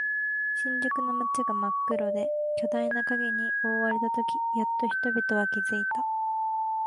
新宿の街が真っ黒で巨大な影に覆われたとき、やっと人々は気づいた。